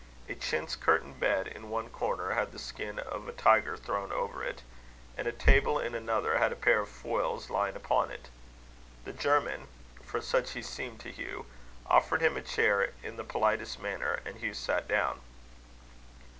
A chintz curtained bed in one corner had the skin of a tiger thrown over it; and a table in another had a pair of foils lying upon it. The German for such he seemed to Hugh offered him a chair in the politest manner; and Hugh sat down.